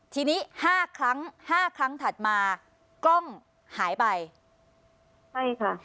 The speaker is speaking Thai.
ทีนี้ห้าครั้งห้าครั้งถัดมากล้องหายไปใช่ค่ะ